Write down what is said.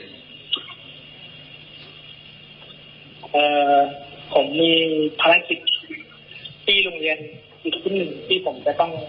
ผมมีภารกิจที่โรงเรียนอีกรุ่นหนึ่งที่ผมจะต้อง